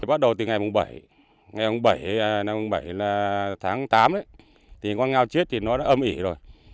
bắt đầu từ ngày bảy ngày bảy là tháng tám thì con ngao chết thì nó đã âm ỉ rồi